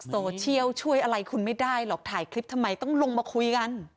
โซเชียลช่วยอะไรคุณไม่ได้หรอกถ่ายคลิปทำไมต้องลงมาคุยกัน